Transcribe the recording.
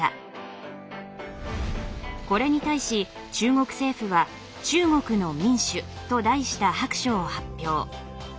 これに対し中国政府は「中国の民主」と題した白書を発表。